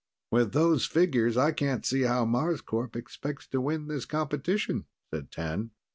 "With those figures, I can't see how Marscorp expects to win this competition," said T'an.